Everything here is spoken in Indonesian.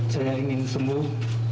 saya ingin sembuh